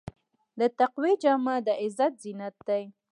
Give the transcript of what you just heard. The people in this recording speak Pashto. د تقوی جامه د عزت زینت دی.